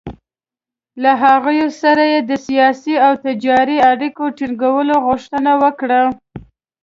له هغوی سره یې د سیاسي او تجارتي اړیکو ټینګولو غوښتنه وکړه.